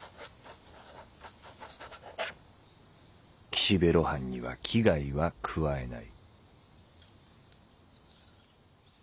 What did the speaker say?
「岸辺露伴には危害は加えない」。